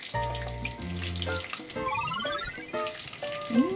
うん！